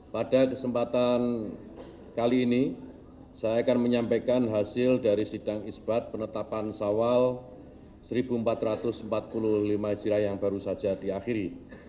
pada kesempatan kali ini saya akan menyampaikan hasil dari sidang isbat penetapan sawal seribu empat ratus empat puluh lima hijriah yang baru saja diakhiri